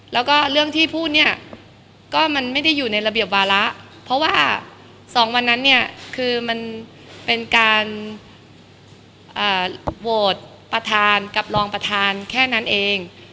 แล้วก็เรื่องที่พูดเนี่ยก็มันไม่ได้อยู่ในระเบียบวาระเพราะว่า๒วันนั้นเนี่ยคือมันเป็นการโหวตประธานกับรองประธานแค่นั้นเอง